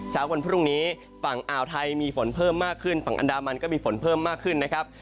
วันพรุ่งนี้ฝั่งอ่าวไทยมีฝนเพิ่มมากขึ้นฝั่งอันดามันก็มีฝนเพิ่มมากขึ้นนะครับ